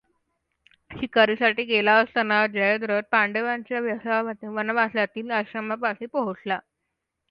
शिकारीसाठी गेला असताना जयद्रथ पांडवांच्या वनवासातील आश्रमापाशी पोहोचला.